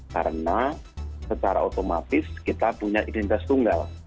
karena secara otomatis kita punya identitas tunggal